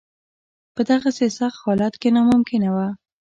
په دغسې سخت حالت کې ناممکنه وه.